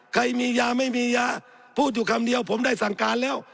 ใครมียาไม่มียาพูดอยู่คำเดียวผมได้สั่งการแล้ว